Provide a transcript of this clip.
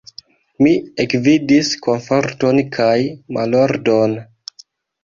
Mi ekvidis komforton kaj malordon.